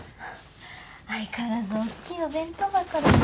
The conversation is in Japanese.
相変わらず大きいお弁当箱だね。